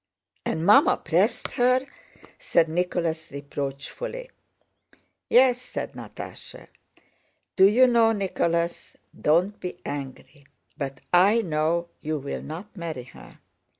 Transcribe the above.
"And Mamma pressed her!" said Nicholas reproachfully. "Yes," said Natásha. "Do you know, Nicholas—don't be angry—but I know you will not marry her.